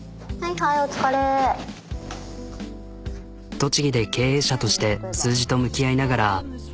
栃木で経営者として数字と向き合いながら。